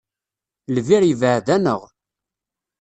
Lbir yebɛed-aneɣ.